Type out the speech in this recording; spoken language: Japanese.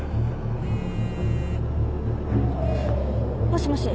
もしもし。